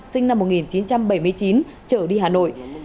sinh năm một nghìn chín trăm bảy mươi chín trở đi hà nội